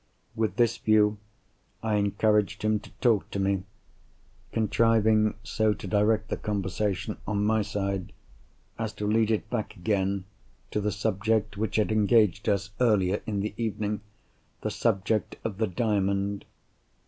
With this view, I encouraged him to talk to me; contriving so to direct the conversation, on my side, as to lead it back again to the subject which had engaged us earlier in the evening—the subject of the Diamond.